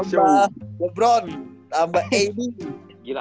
tambah lebron tambah amy